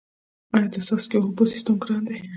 آیا د څاڅکي اوبو سیستم ګران دی؟